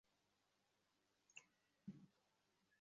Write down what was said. এক মুহূর্তের ধ্যানের ফলে এই প্রকৃতিতেই পরিবর্তন আনিতে পারিবে।